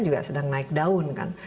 juga sedang naik daun kan